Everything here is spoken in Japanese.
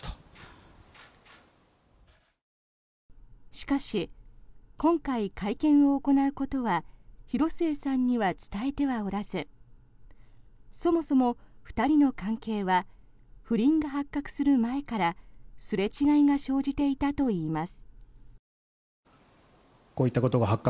しかし今回、会見を行うことは広末さんには伝えてはおらずそもそも２人の関係は不倫が発覚する前からすれ違いが生じていたといいます。